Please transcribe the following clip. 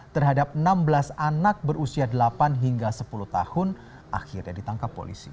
terhadap enam belas anak berusia delapan hingga sepuluh tahun akhirnya ditangkap polisi